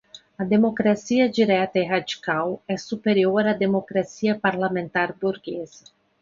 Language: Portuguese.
A democracia direta e radical é superior à democracia parlamentar burguesa